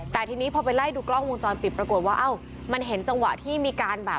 แต่ทีนี้พอไปไล่ดูกล้องวงจรปิดปรากฏว่าเอ้ามันเห็นจังหวะที่มีการแบบ